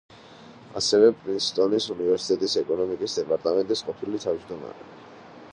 ასევე პრინსტონის უნივერსიტეტის ეკონომიკის დეპარტამენტის ყოფილი თავმჯდომარე.